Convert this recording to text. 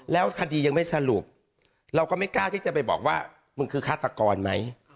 แล้วคดียังไม่สรุปเราก็ไม่กล้าที่จะไปบอกว่ามึงคือฆาตกรไหม